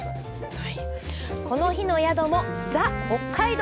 この日の宿もザ・北海道！